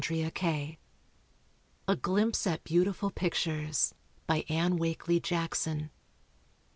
] A GLIMPSE AT BEAUTIFUL PICTURES. ANNE WAKELY JACKSON.